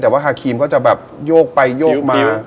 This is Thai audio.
แต่ว่าฮาครีมเขาจะแบบโยกไปโยกมา